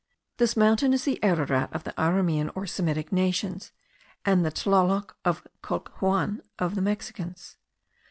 This mountain is the Ararat of the Aramean or Semitic nations, and the Tlaloc or Colhuacan of the Mexicans.